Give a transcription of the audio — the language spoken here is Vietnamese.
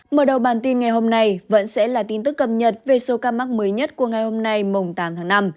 mở đầu bản tin ngày hôm nay vẫn sẽ là tin tức cập nhật về số ca mắc mới nhất của ngày hôm nay mùng tám tháng năm